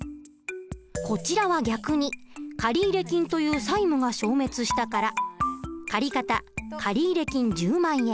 こちらは逆に借入金という債務が消滅したから借方借入金１０万円。